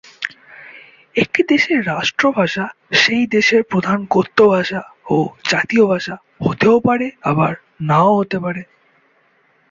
একটি দেশের রাষ্ট্রভাষা সেই দেশের প্রধান কথ্য ভাষা ও জাতীয় ভাষা হতেও পারে আবার নাও হতে পারে।